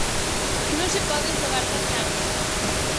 Non se poden xogar pachangas.